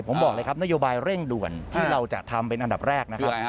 ผมบอกเลยครับนโยบายเร่งด่วนที่เราจะทำเป็นอันดับแรกนะครับ